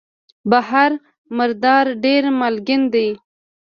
بحر مردار ډېر مالګین دی.